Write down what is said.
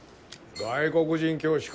外国人教師か。